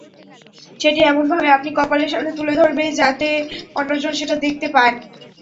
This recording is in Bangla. সেটি এমনভাবে আপনি কপালের সামনে তুলে ধরবে, যাতে অন্যজন এটা দেখতে পান।